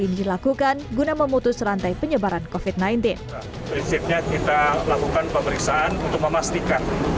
ini dilakukan guna memutus rantai penyebaran kofit sembilan belas prinsipnya kita lakukan pemeriksaan untuk memastikan